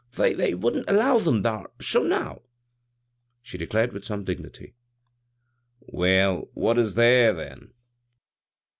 They — they wouldn't allow ^em thar — so now t " she de clared with some dignity. " Well, what is there, then